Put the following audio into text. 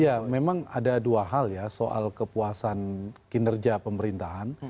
ya memang ada dua hal ya soal kepuasan kinerja pemerintahan